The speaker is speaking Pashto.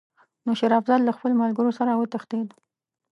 نو شېر افضل له خپلو ملګرو سره وتښتېد.